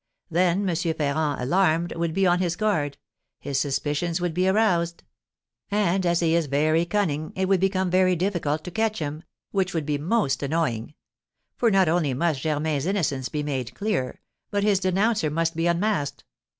Then M. Ferrand, alarmed, would be on his guard, his suspicions would be aroused; and, as he is very cunning, it would become very difficult to catch him, which would be most annoying; for not only must Germain's innocence be made clear, but his denouncer must be unmasked."